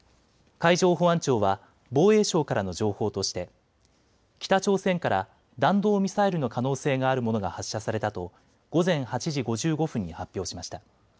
海上保安庁は防衛省からの情報として北朝鮮から弾道ミサイルの可能性があるものが発射されたと午前８時５５分に発表しました。